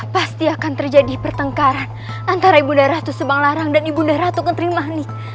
pasti akan terjadi pertengkaran antara ibu daratu semanglarang dan ibu daratu ketrimani